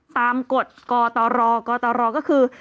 กฎกตรกตรก็คือ